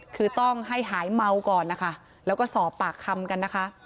คือต้องให้หายเมาก่อนนะคะแล้วก็สอบปากคำกันนะคะ